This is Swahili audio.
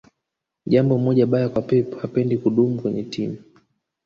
jambo moja baya kwa pep hapendi kudumu kwenye timu